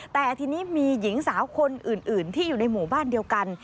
แต่ทีนี้มีหญิงสาวคนอื่นที่อยู่ในหมู่บ้านเดียวกัน